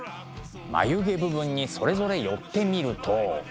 眉毛部分にそれぞれ寄ってみると。